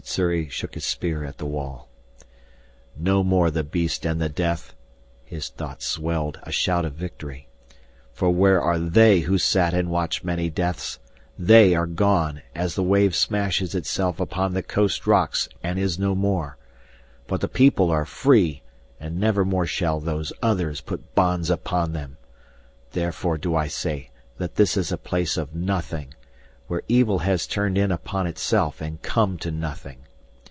Sssuri shook his spear at the wall. "No more the beast and the death," his thoughts swelled, a shout of victory. "For where are they who sat and watched many deaths? They are gone as the wave smashes itself upon the coast rocks and is no more. But the People are free and never more shall Those Others put bonds upon them! Therefore do I say that this is a place of nothing, where evil has turned in upon itself and come to nothing.